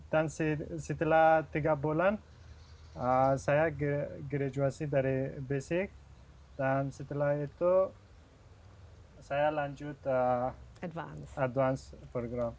dan setelah tiga bulan saya graduasi dari basic dan setelah itu saya lanjut advance program